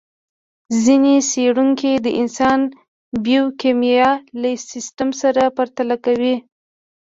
ځينې څېړونکي د انسان بیوکیمیا له سیستم سره پرتله کوي.